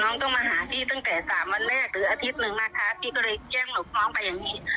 ต้องมาหาพี่ตั้งแต่สามวันแรกหรืออาทิตย์หนึ่งนะคะพี่ก็เลยแจ้งหลบน้องไปอย่างนี้